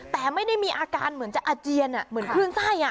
แต่ไม่ได้มีอาการเหมือนจะอาเจียนเหมือนคลื่นไส้